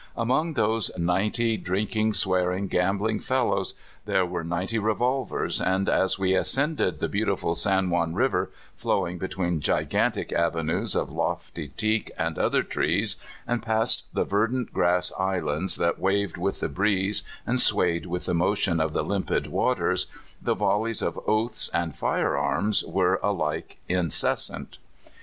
Among those ninety drinking, swearing, gambling fellows, there were ninety revolvers, and as we ascended the beautiful San Juan River, flowing" between <xio;antic avenues of lofty teak and other trees, and past the verdant grass islands that waved with the breeze and swayed with the motion of the limpid waters, the volleys of oaths and firearms were alike inces sant.